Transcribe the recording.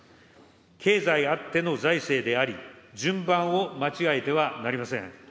経済あっての財政であり、順番を間違えてはなりません。